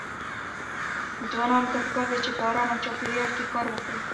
ځوانانو ته پکار ده چې په ارام چاپيريال کې کار وکړي.